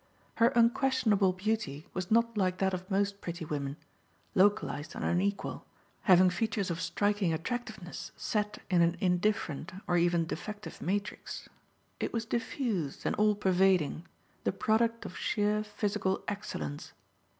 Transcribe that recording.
Her unquestionable beauty was not like that of most pretty women, localized and unequal, having features of striking attractiveness set in an indifferent or even defective matrix. It was diffused and all pervading, the product of sheer physical excellence.